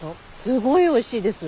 すごいおいしいです。